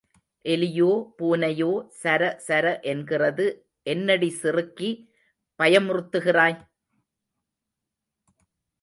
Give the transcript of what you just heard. எலியோ, பூனையோ சர சர என்கிறது என்னடி சிறுக்கி பயமுறுத்துகிறாய்?